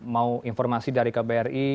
mau informasi dari kbri